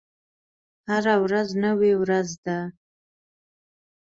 هره ورځ نوې ورځ ده